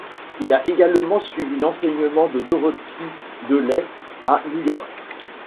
Il a également suivi l’enseignement de Dorothy DeLay à New York.